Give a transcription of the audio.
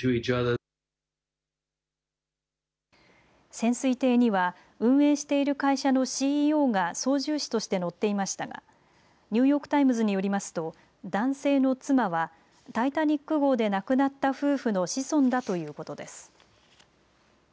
潜水艇には運営している会社のＣＥＯが操縦士として乗っていましたがニューヨーク・タイムズによりますと男性の妻はタイタニック号で亡くなった夫婦の子孫だということです。